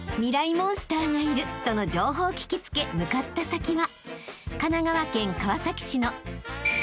モンスターがいるとの情報を聞き付け向かった先は］